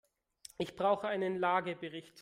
Ich brauche einen Lagebericht.